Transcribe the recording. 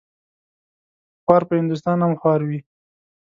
خوار په هندوستان هم خوار وي.